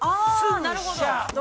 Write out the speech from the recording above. ◆なるほど。